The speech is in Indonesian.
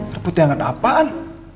air putih anget apaan